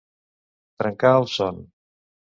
Trencar el son.